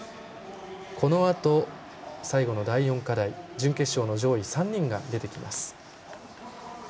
このあと、最後の第４課題準決勝の上位３人が出てきます。